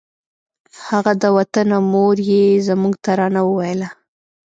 هغه د وطنه مور یې زموږ ترانه وویله